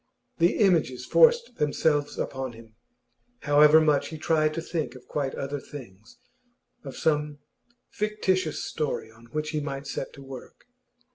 The images forced themselves upon him, however much he tried to think of quite other things of some fictitious story on which he might set to work.